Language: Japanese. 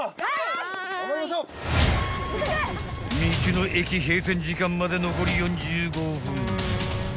［道の駅閉店時間まで残り４５分］